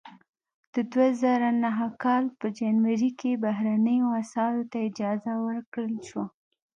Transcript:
د دوه زره نهه کال په جنوري کې بهرنیو اسعارو ته اجازه ورکړل شوه.